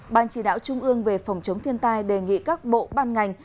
ban chỉ đạo trung ương về phòng chống thiên tai đề nghị các bộ ban ngành